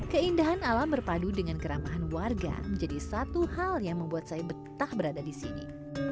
keindahan alam berpadu dengan keramahan warga menjadi satu hal yang membuat saya betah berada di sini